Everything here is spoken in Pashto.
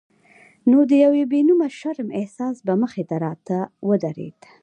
نو د یو بې نومه شرم احساس به مخې ته راته ودرېد.